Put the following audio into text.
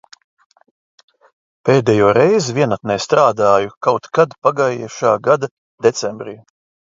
Pēdējo reizi vienatnē strādāju kaut kad pagājušā gada decembrī.